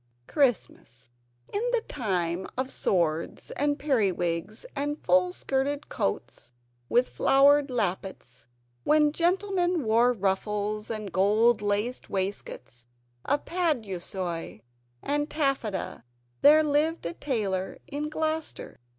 Christmas In the time of swords and peri wigs and full skirted coats with flowered lappets when gentlemen wore ruffles, and gold laced waistcoats of paduasoy and taffeta there lived a tailor in Gloucester.